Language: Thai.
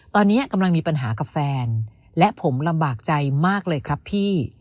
ตอนนี้กำลังมีปัญหากับแฟนและผมลำบากใจมากเลยครับพี่